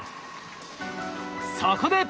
そこで！